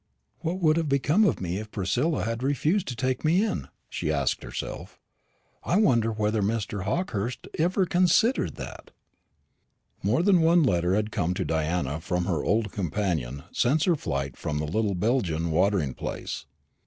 "What would have become of me if Priscilla had refused to take me in?" she asked herself. "I wonder whether Mr. Hawkehurst ever considered that." More than one letter had come to Diana from her old companion since her flight from the little Belgian watering place.